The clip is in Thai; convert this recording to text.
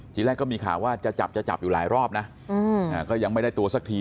ทีแรกก็มีข่าวว่าจะจับจะจับอยู่หลายรอบนะก็ยังไม่ได้ตัวสักที